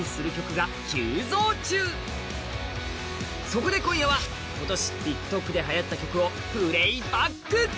そこで今夜は今年、ＴｉｋＴｏｋではやった曲をプレイバック。